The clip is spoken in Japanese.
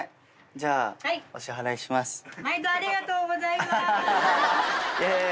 じゃあお支払いします。イェイ！